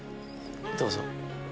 どうぞ。